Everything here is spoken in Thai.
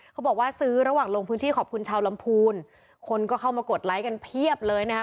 บอกว่าซื้อระหว่างลงพื้นที่ขอบคุณชาวลำพูนคนก็เข้ามากดไลค์กันเพียบเลยนะคะ